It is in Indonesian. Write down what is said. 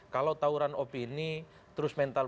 kalau tawuran opini terus mental